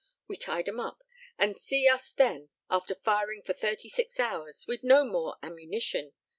We tied 'em up. And see us then after firing for thirty six hours, we'd no more ammunition.